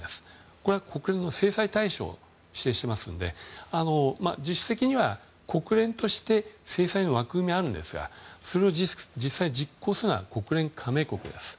これは国連の制裁対象に指定していますので実質的には国連として制裁の枠組みがあるんですがそれを実際に実行するのは国連加盟国です。